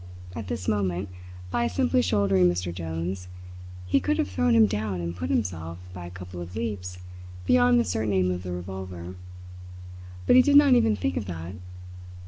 At this moment, by simply shouldering Mr. Jones, he could have thrown him down and put himself, by a couple of leaps, beyond the certain aim of the revolver; but he did not even think of that.